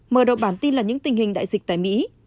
mở đầu bản tin là những tình hình đại dịch tại mỹ